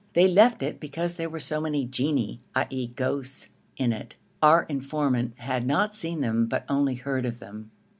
They left it because there were so many jinni (i.e. ghosts) in it. Our informant had not seen them, but only heard of them.